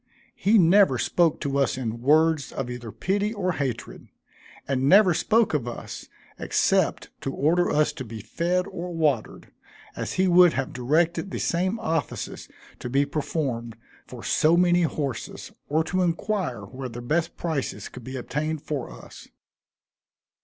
He never spoke to us in words of either pity or hatred; and never spoke of us, except to order us to be fed or watered, as he would have directed the same offices to be performed for so many horses, or to inquire where the best prices could be obtained for us.